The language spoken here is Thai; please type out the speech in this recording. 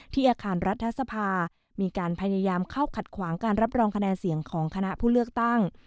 อาคารรัฐสภามีการพยายามเข้าขัดขวางการรับรองคะแนนเสียงของคณะผู้เลือกตั้ง